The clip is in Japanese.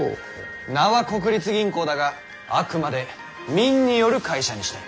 名は国立銀行だがあくまで民による会社にしたい。